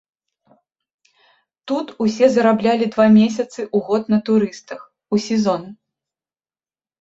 Тут усе зараблялі два месяцы ў год на турыстах, у сезон.